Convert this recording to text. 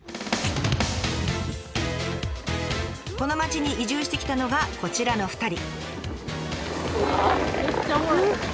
この町に移住してきたのがこちらの２人。